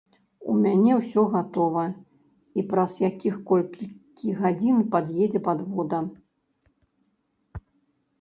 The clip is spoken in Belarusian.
У мяне ўсё гатова, і праз якіх колькі гадзін пад'едзе падвода.